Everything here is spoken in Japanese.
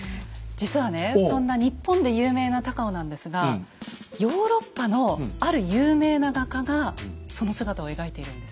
実はねそんな日本で有名な高尾なんですがヨーロッパのある有名な画家がその姿を描いているんです。